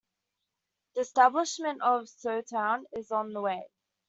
The establishment of a Shou Town is on the way.